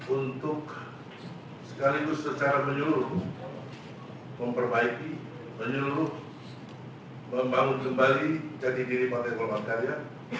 untuk sekaligus secara menyuruh memperbaiki menyuruh membangun kembali jadi diri partai golongan karya